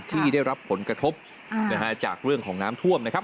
ที่ได้รับผลกระทบนะฮะจากเรื่องของน้ำท่วมนะครับ